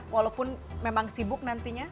walaupun memang sibuk nantinya